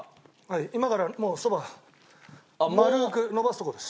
今からそば丸くのばすところです。